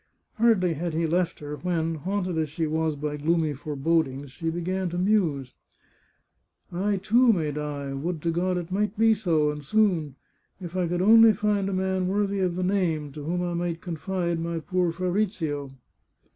Hardly had he left her, when, haunted as she was by gloomy forebodings, she began to muse. " I, too, may die — would to God it might be so, and soon ! If I could only find a man worthy of the name, to whom I might confide my poor Fabrizio